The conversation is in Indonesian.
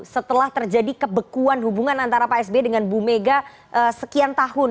setelah terjadi kebekuan hubungan antara pak sby dengan bu mega sekian tahun